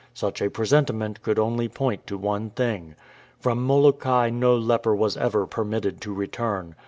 Such a presentiment could only point to one thing. From Molokai no leper was ever permitted to return.